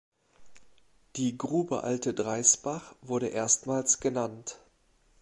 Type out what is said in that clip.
Die Grube "Alte Dreisbach" wurde erstmals genannt.